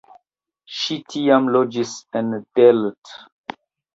Ŝi tiam loĝis en Delft.